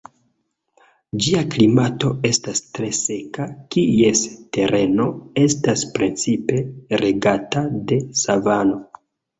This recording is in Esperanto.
Ĝia klimato estas tre seka, kies tereno estas precipe regata de savano.